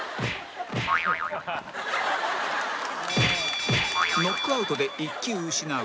「ハハ」ノックアウトで１球失う